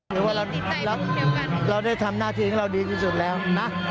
ถือว่าเราได้ทำหน้าที่ของเราดีที่สุดแล้วนะ